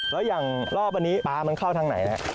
แล้วอย่างรอบอันนี้ปลามันเข้าทางไหนฮะ